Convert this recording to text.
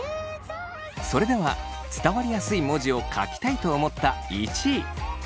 それでは伝わりやすい文字を書きたいと思った１位。